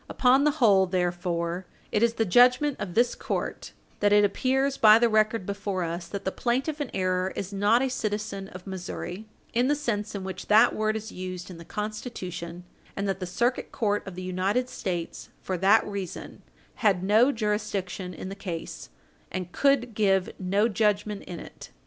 Upon the whole, therefore, it is the judgment of this court that it appears by the record before us that the plaintiff in error is not a citizen of Missouri in the sense in which that word is used in the Constitution, and that the Circuit Court of the United States, for that reason, had no jurisdiction in the case, and could give no judgment in it.